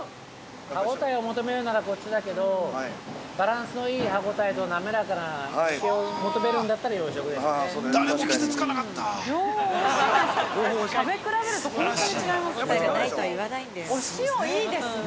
◆歯応えを求めるならこっちだけどバランスのいい歯応えと滑らかな抜けを求めるんだったら養殖ですね。